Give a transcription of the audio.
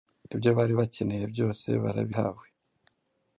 ibyo bari bakeneye byose barabihawe,